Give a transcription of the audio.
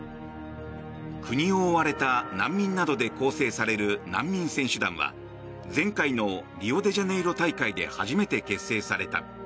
国を追われた難民などで構成される難民選手団は前回のリオデジャネイロ大会で初めて結成された。